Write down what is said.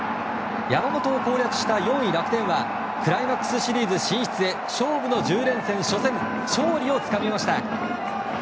山本を攻略した４位、楽天はクライマックスシリーズ進出へ勝負の１０連戦初戦、勝利をつかみました。